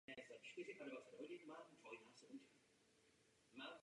Byla podepsána pěkná řádka memorand.